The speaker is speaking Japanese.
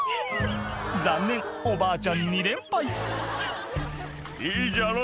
残念おばあちゃん２連敗「いいじゃろ？